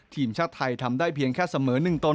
ทีมชาติไทยทำได้เพียงแค่เสมอ๑ตน